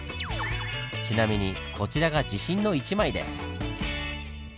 ちなみにこちらが自信の一枚です。